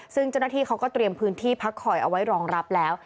ซึ่งเจ้าหน้าที่เขาก็เตรียมพื้นที่พักคอยเอาไว้รองรับแล้ว